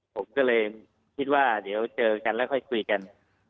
ผมก็เลยคิดว่าเดี๋ยวเจอกันแล้วค่อยคุยกัน